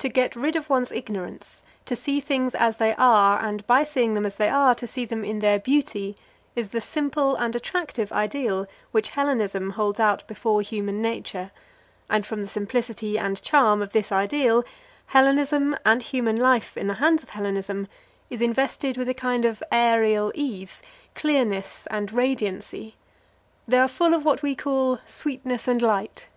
To get rid of one's ignorance, to see things as they are, and by seeing them as they are to see them in their beauty, is the simple and attractive ideal which Hellenism holds out before human nature; and from the simplicity and charm of this ideal, Hellenism, and human life in the hands of Hellenism, is invested with a kind of aërial ease, clearness, and radiancy; they are full of what we call sweetness and light.